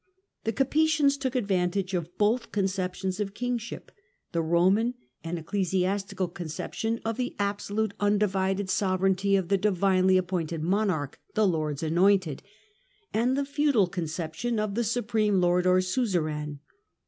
The Capetians took advantage of both concep tions of kingship, the Roman and ecclesiastical conception of the absolute undivided sovereignty of the divinely ap pointed monarch, " the Lord's anointed," and the feudal conception of the supreme lord or suzerain.